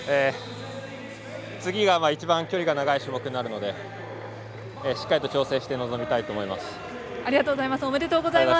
次が一番距離が長い種目になるのでしっかりと調整して臨みたいと思います。